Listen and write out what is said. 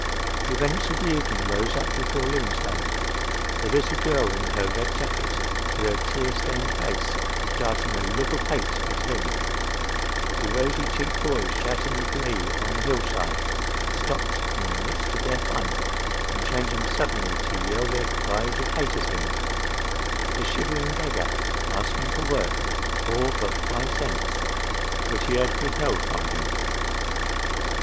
The events of the evening rose up before Livingstone—the little girl in her red jacket, with her tear stained face, darting a look of hate at him; the rosy cheeked boys shouting with glee on the hillside, stopped in the midst of their fun, and changing suddenly to yell their cries of hate at him; the shivering beggar asking for work,—for but five cents, which he had withheld from him.